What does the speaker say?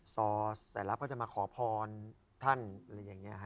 ส่อใส่รับเขาจะมาขอพรท่านอะไรอย่างนี้